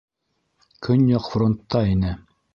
Көньяҡ фронтта ине.